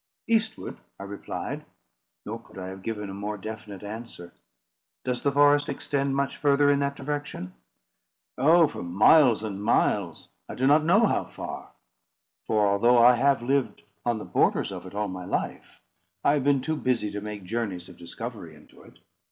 "Eastward," I replied; nor could I have given a more definite answer. "Does the forest extend much further in that direction?" "Oh! for miles and miles; I do not know how far. For although I have lived on the borders of it all my life, I have been too busy to make journeys of discovery into it.